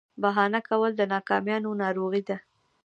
بهانه کول د ناکامیانو ناروغي ده.